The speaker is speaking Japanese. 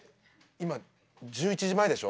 今１１時前でしょ？